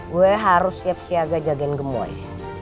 gue harus siap siaga jagain gemoy